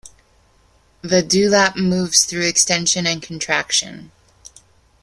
The dewlap moves through extension and contraction.